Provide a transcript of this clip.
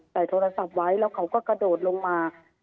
โทรศัพท์ไว้แล้วเขาก็กระโดดลงมา